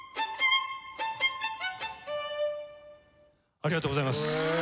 ありがとうございます。